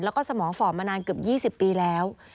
แล้วก็สมองฝ่อมานานเกือบ๒๐ปีแล้ว